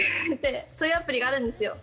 そういうアプリがあるんですよ